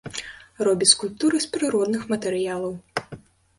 Робіць скульптуры з прыродных матэрыялаў.